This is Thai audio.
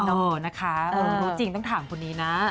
เออนะคะรู้จริงต้องถามคนนี้นะ